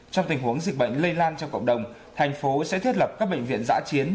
trong tình huống dịch bệnh lây lan trong cộng đồng thành phố sẽ thiết lập các bệnh viện giã chiến